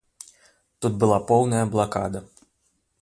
Тут была поўная блакада.